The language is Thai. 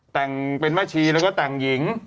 แต่งเป็นแม่ชีแล้วก็แต่งหญิง